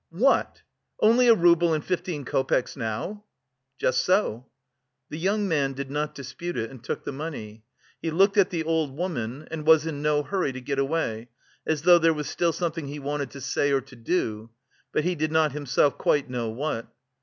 "What! only a rouble and fifteen copecks now!" "Just so." The young man did not dispute it and took the money. He looked at the old woman, and was in no hurry to get away, as though there was still something he wanted to say or to do, but he did not himself quite know what.